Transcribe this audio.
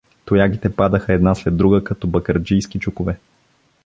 Тоягите падаха една след друга, като бакърджийски чукове.